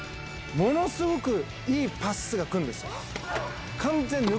ものすごくいいパスが来るんです。